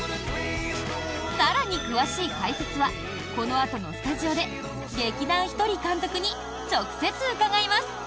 更に詳しい解説はこのあとのスタジオで劇団ひとり監督に直接伺います！